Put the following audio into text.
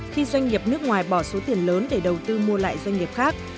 khi doanh nghiệp nước ngoài bỏ số tiền lớn để đầu tư mua lại doanh nghiệp khác